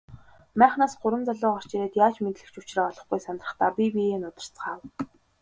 Майхнаас гурван залуу гарч ирээд яаж мэндлэх ч учраа олохгүй сандрахдаа бие биеэ нударцгаав.